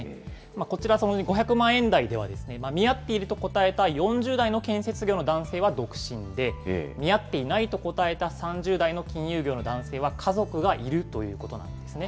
こちら、５００万円台では見合っていると答えた４０代の建設業の男性は独身で、見合っていないと答えた３０代の金融業の男性は家族がいるということなんですね。